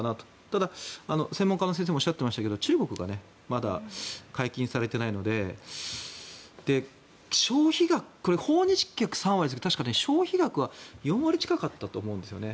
ただ、専門家の先生もおっしゃってましたが中国がまだ解禁されてないので確か消費額は４割近かったと思うんですよね。